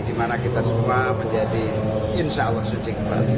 dimana kita semua menjadi insya allah suci